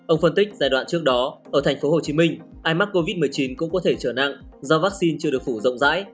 ông phân tích giai đoạn trước đó ở tp hcm ai mắc covid một mươi chín cũng có thể trở nặng do vaccine chưa được phủ rộng rãi